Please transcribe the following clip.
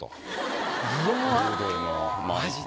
マジで？